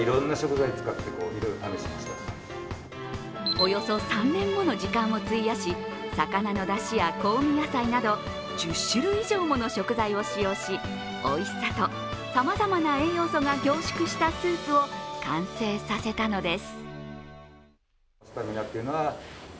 およそ３年もの時間を費やし魚のだしや香味野菜など１０種類以上もの食材を使用しおいしさとさまざまな栄養素が凝縮したスープを完成させたのです。